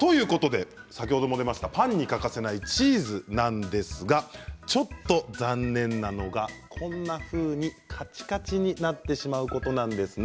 パンに欠かせないチーズなんですがちょっと残念なのがこんなふうに、かちかちになってしまうことなんですね。